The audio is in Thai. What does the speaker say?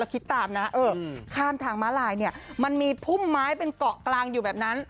คิดตามนะข้ามทางม้าลายเนี่ยมันมีพุ่มไม้เป็นเกาะกลางอยู่แบบนั้น